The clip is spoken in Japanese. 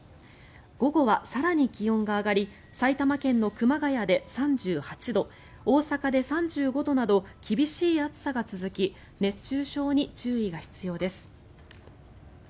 午後は更に気温が上がり埼玉県の熊谷で３８度大阪で３５度など厳しい暑さが続き熱中症に注意が必要です。